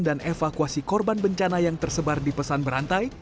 dan evakuasi korban bencana yang tersebar di pesan berantai